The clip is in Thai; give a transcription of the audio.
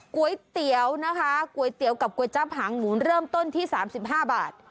ก๋วยเตี๋ยวนะคะก๋วยเตี๋ยวกับก๋วยจับหางหมูเริ่มต้นที่๓๕บาท